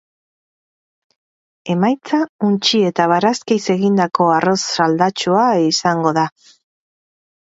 Emaitza untxi eta barazkiz egindako arroz saldatsua izango da.